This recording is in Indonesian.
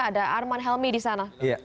ada arman helmi di sana